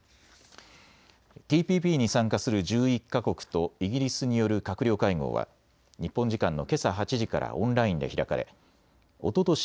ＴＰＰに参加する１１か国とイギリスによる閣僚会合は日本時間のけさ８時からオンラインで開かれおととし